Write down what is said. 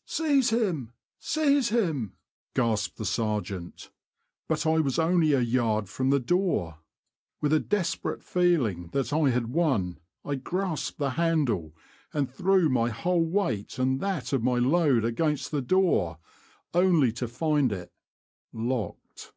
'' Seize him," "seize him," gasped the sergeant — but I was only a yard from the door. With a desperate feeling that I had won, I grasped the handle and threw my whole weight and that of my load against the door, only to find it — locked.